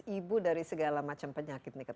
ibu dari segala macam penyakit